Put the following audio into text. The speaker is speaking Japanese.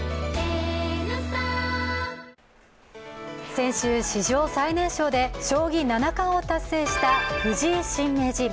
先週、史上最年少で将棋七冠を達成した藤井新名人。